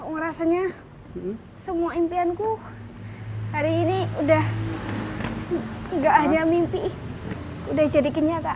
ngerasanya semua impianku hari ini udah enggak hanya mimpi udah jadi kenyataan